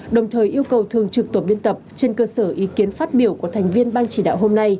đồng thời yêu cầu thường trực tổ biên tập trên cơ sở ý kiến phát biểu của thành viên ban chỉ đạo hôm nay